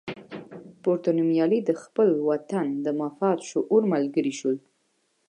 پورته نومیالي د خپل وطن د مفاد شعور ملګري شول.